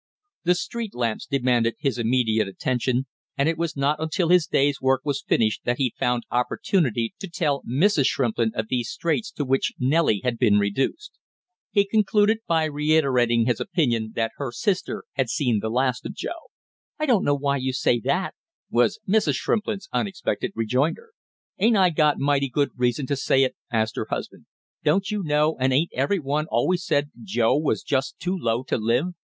The street lamps demanded his immediate attention, and it was not until his day's work was finished that he found opportunity to tell Mrs. Shrimplin of these straits to which Nellie had been reduced. He concluded by reiterating his opinion that her sister had seen the last of Joe. "I don't know why you say that!" was Mrs. Shrimplin's unexpected rejoinder. "Ain't I got mighty good reason to say it?" asked her husband. "Don't you know, and ain't every one always said Joe was just too low to live?